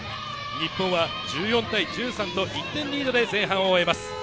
日本は１４対１３と１点リードで前半を終えます。